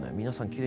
皆さん